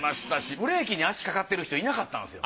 ブレーキに足かかってる人いなかったんですよ